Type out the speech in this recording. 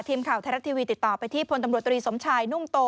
ทีมข่าวไทยรัฐทีวีติดต่อไปที่พลตำรวจตรีสมชายนุ่มโต